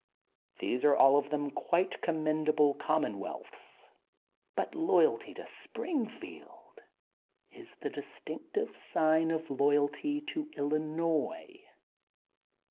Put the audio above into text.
These are all of them quite commend able commonwealths. But loyalty to Spring field is the distinctive sign of loyalty to Illi nois.